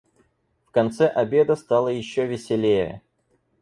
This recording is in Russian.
В конце обеда стало еще веселее.